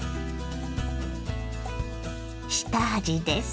下味です。